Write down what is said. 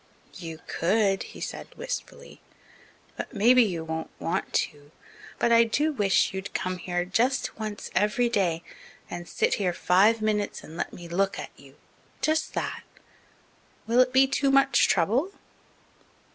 "You could," he said wistfully, "but maybe you won't want to. But I do wish you'd come here just once every day and sit here five minutes and let me look at you just that. Will it be too much trouble?"